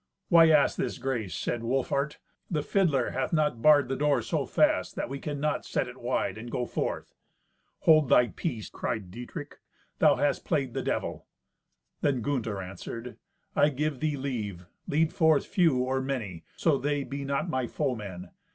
"Why ask this grace?" said Wolfhart. "The fiddler hath not barred the door so fast that we cannot set it wide, and go forth." "Hold thy peace," cried Dietrich. "Thou hast played the Devil." Then Gunther answered, "I give thee leave. Lead forth few or many, so they be not my foemen.